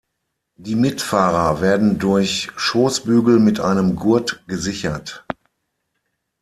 Die Mitfahrer werden durch Schoßbügel und mit einem Gurt gesichert.